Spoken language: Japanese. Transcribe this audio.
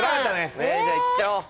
じゃあいっちゃおう。